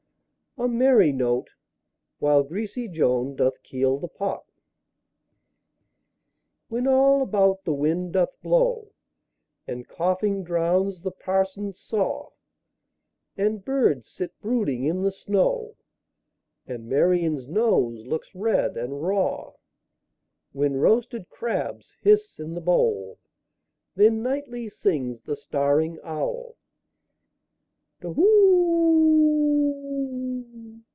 A merry note! While greasy Joan doth keel the pot. When all about the wind doth blow, And coughing drowns the parson's saw, And birds sit brooding in the snow, And Marian's nose looks red and raw; When roasted crabs hiss in the bowl—Then nightly sings the staring owlTu whoo!